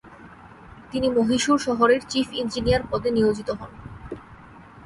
তিনি মহীশূর শহরের chief engineer পদে নিয়োজিত হন।